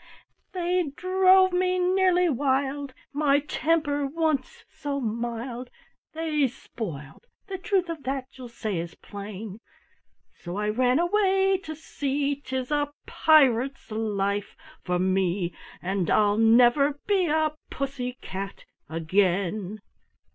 "They drove me nearly wild, My temper, once so mild, They spoiled the truth of that you'll say is plain So I ran away to sea 'Tis a pirate's life for me, And I'll never be a Pussy cat again!"